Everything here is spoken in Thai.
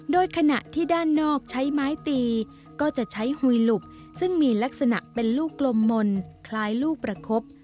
โดยขณะที่ด้านนอกใช้ไม้ตีก็จะใช้หุยหลุบซึ่งมีลักษณะเป็นลูกกลมมนต์คล้ายลูกประคบ